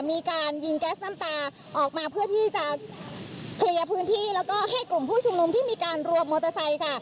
มีการยิงแก๊สน้ำตาออกมาเพื่อที่จะเคลียร์พื้นที่แล้วก็ให้กลุ่มผู้ชุมนุมที่มีการรวมมอเตอร์ไซค์ค่ะ